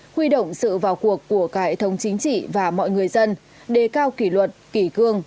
huy động sự vào cuộc của cải thống chính trị và mọi người dân đề cao kỷ luật kỷ cương